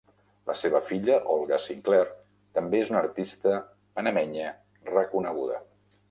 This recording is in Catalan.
La seva filla Olga Sinclair també és una artista panamenya reconeguda.